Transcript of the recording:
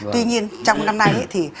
tuy nhiên trong năm nay thì